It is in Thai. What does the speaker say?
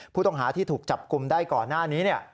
ผู้ต้องหาที่ถูกจับกลุ่มได้ก่อนหน้านี้